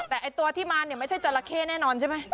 แต่ตัวที่มาเนี่ยไม่ใช่จราเข้แน่นอนใช่ไหม